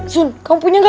zul kau punya nggak